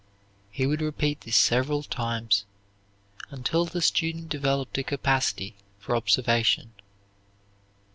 He would repeat this several times, until the student developed a capacity for observation.